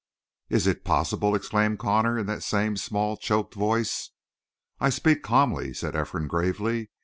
"Is it possible?" exclaimed Connor in that same, small, choked voice. "I speak calmly," said Ephraim gravely.